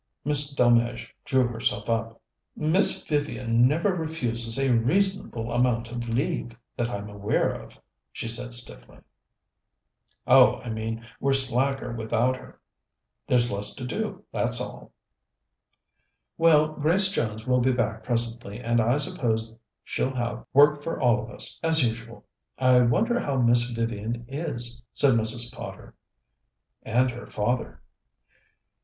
Miss Delmege drew herself up. "Miss Vivian never refuses a reasonable amount of leave, that I'm aware of," she said stiffly. "Oh, I mean we're slacker without her. There's less to do, that's all." "Well, Grace Jones will be back presently, and I suppose she'll have work for all of us, as usual. I wonder how Miss Vivian is," said Mrs. Potter. "And her father."